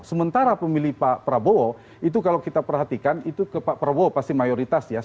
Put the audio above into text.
sementara pemilih pak prabowo itu kalau kita perhatikan itu ke pak prabowo pasti mayoritas ya